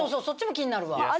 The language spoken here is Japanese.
そっちも気になるわ。